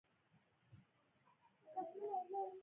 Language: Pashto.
مساوي برخه اخلاقي حل ګڼل کیږي.